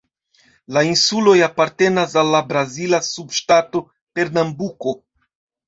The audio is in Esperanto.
La insuloj apartenas al la brazila subŝtato Pernambuko.